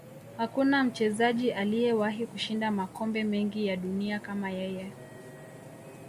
Hakuna mchezaji aliyewahi kushinda makombe mengi ya dunia kama yeye